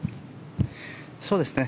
そうですね。